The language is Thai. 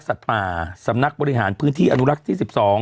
ยังไงยังไงยังไงยังไง